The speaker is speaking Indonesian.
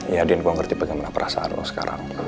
ya din gue ngerti bagaimana perasaan lo sekarang